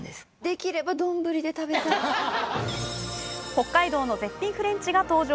北海道の絶品フレンチが登場